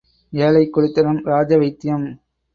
ஏழைக் குடித்தனம், ராஜவைத்தியம்.